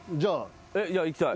じゃあ。いきたい。